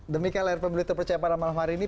demikian layar pemilu terpercaya pada malam hari ini